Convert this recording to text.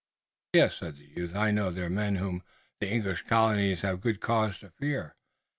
"Yes," said the youth. "I know they're the men whom the English colonies have good cause to fear."